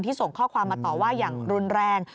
ส่งข้อความมาต่อว่าอย่างรุนแรง